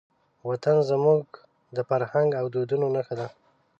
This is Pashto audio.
وطن زموږ د فرهنګ او دودونو نښه ده.